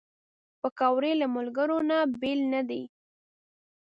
پکورې له ملګرو نه بېل نه دي